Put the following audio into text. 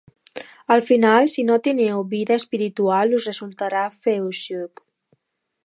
Al final, si no teniu vida espiritual us resultarà feixuc.